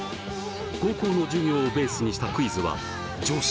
高校の授業をベースにしたクイズは常識？